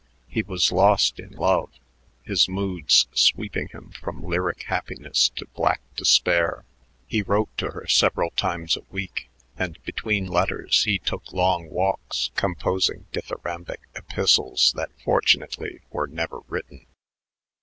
He was lost in love, his moods sweeping him from lyric happiness to black despair. He wrote to her several times a week, and between letters he took long walks composing dithyrambic epistles that fortunately were never written.